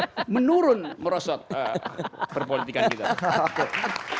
jadi menurun merosot perpolitikan kita